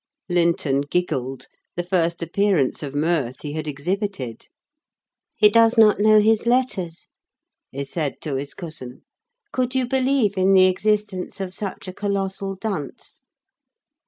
Linton giggled: the first appearance of mirth he had exhibited. "He does not know his letters," he said to his cousin. "Could you believe in the existence of such a colossal dunce?"